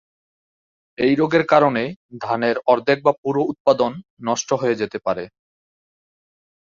এই রোগের কারণে ধানের অর্ধেক বা পুরো উৎপাদন নষ্ট হয়ে যেতে পারে।